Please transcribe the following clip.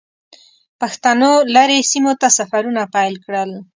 پښتنو لرې سیمو ته سفرونه پیل کړل.